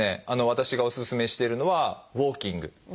私がおすすめしているのはウォーキング。